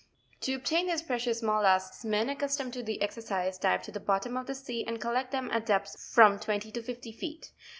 To obtain these precious mollusks, men accustomed to the exercise dive to the bottom of the sea and collect them at depths of from twenty to fifty feet.